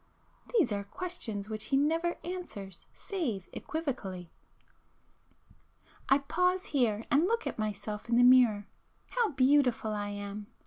These are questions which he never answers save equivocally. ····· I pause here, and look at myself in the mirror. How beautiful I am!